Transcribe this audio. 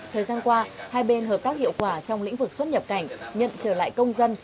thời gian qua hai bên hợp tác hiệu quả trong lĩnh vực xuất nhập cảnh nhận trở lại công dân